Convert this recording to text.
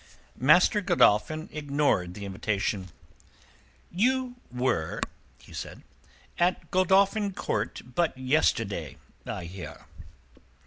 Master Godolphin ignored the invitation. "You were," he said, "at Godolphin Court but yesterday, I hear."